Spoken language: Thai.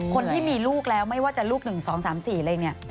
คนที่มีลูกแล้วไม่ว่าจะลูก๑๒๓๔อะไรอย่างนี้